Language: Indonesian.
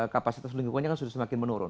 kapasitas lingkungannya kan sudah semakin menurun